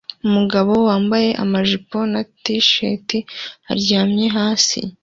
Umugabo wambaye amajipo na t-shirt aryamye hasi